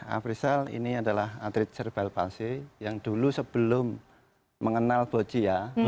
afrizal ini adalah atlet serba erbasi yang dulu sebelum mengenal boci ya